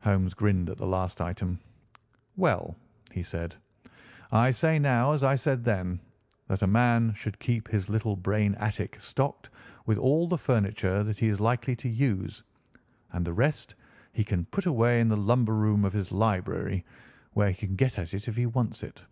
Holmes grinned at the last item. "Well," he said, "I say now, as I said then, that a man should keep his little brain attic stocked with all the furniture that he is likely to use, and the rest he can put away in the lumber room of his library, where he can get it if he wants it.